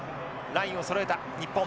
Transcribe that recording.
ラインをそろえた日本。